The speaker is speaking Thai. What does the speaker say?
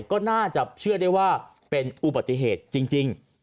ก็น่าจะเชื่อได้ว่าเป็นอุบัติเหตุจริง